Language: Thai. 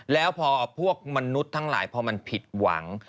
แล้วพอพวกมนุษย์ทั้งหลายพอมันผิดหวัง